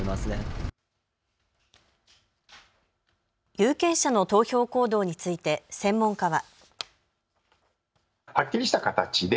有権者の投票行動について専門家は。